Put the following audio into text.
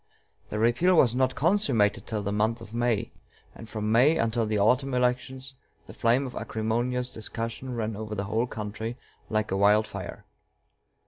The repeal was not consummated till the month of May; and from May until the autumn elections the flame of acrimonious discussion ran over the whole country like a wild fire.